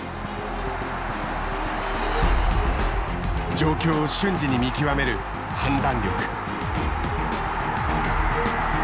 状況を瞬時に見極める「判断力」。